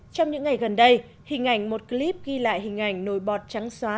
trong những ngày gần đây hình ảnh một clip ghi lại hình ảnh nồi bọt trắng xóa